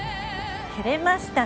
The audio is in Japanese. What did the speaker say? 照れました。